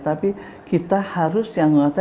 tapi kita harus yang